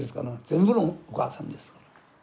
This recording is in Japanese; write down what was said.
全部のお母さんですから。